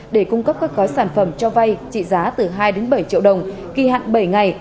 để cung cấp các gói sản phẩm cho vay trị giá từ hai đến bảy triệu đồng kỳ hạn bảy ngày